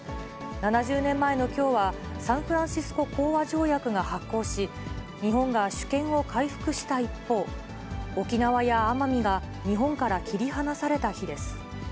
７０年前のきょうは、サンフランシスコ講和条約が発効し、日本が主権を回復した一方、沖縄や奄美が日本から切り離された日です。